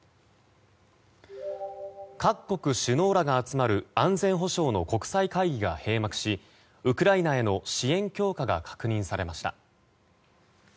各国首脳らが集まる安全保障の国際会議が閉幕しウクライナへの支援強化が確認されました。